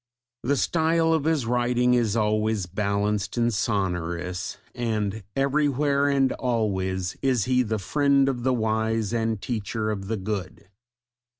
The style of his writing is always balanced and sonorous, and everywhere and always is he "the friend of the wise and teacher of the good."